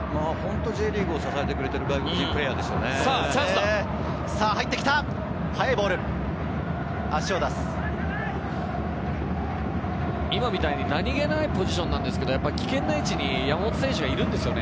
Ｊリーグを支えてくれている外国人選手ですよね。